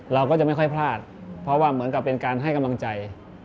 เราก็จะไม่ค่อยพลาดเพราะว่าเหมือนกับเป็นการให้กำลังใจ